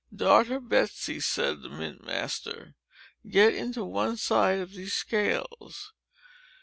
"Daughter Betsey," said the mint master, "get into one side of these scales."